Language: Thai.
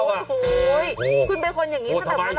โอ้นขนไปคนอย่างนี้นานแต่เมื่อไหร่